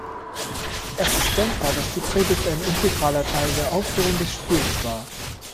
Es ist denkbar, dass die Predigt ein integraler Teil der Aufführung des Spiels war.